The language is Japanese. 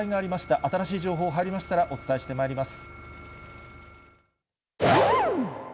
新しい情報が入りましたら、お伝えしてまいります。